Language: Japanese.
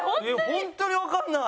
本当にわからない！